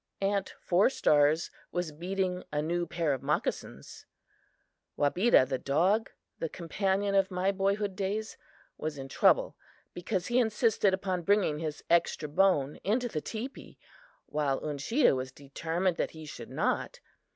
Aunt Four Stars was beading a new pair of moccasins. Wabeda, the dog, the companion of my boyhood days, was in trouble because he insisted upon bringing his extra bone into the teepee, while Uncheedah was determined that he should not.